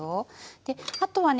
であとはね